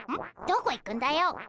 どこ行くんだよ。